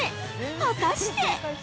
果たして？